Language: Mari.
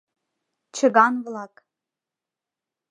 Чыган-влак!